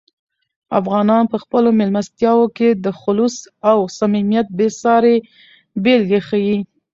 افغانان په خپلو مېلمستیاوو کې د "خلوص" او "صمیمیت" بې سارې بېلګې ښیي.